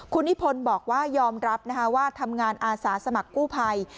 คุณนิพนธ์บอกว่ายอมรับนะคะว่าทำงานอาสาสมัครกู้ภัย